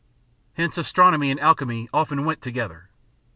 Hence astronomy and alchemy often went together.